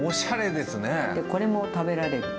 でこれも食べられるの。